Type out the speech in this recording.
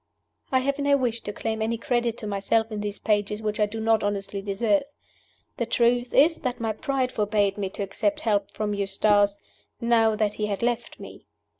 I have no wish to claim any credit to myself in these pages which I do not honestly deserve. The truth is that my pride forbade me to accept help from Eustace, now that he had left me.